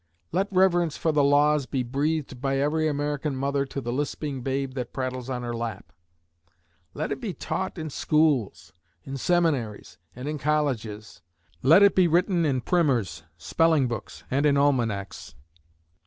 Let reverence for the laws be breathed by every American mother to the lisping babe that prattles on her lap. Let it be taught in schools, in seminaries, and in colleges. Let it be written in primers, spelling books, and in almanacs.